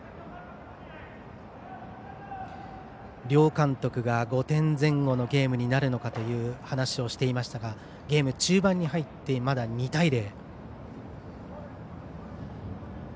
両監督が、５点前後のゲームになるのかという話をしていましたがゲーム中盤に入ってまだ２対０。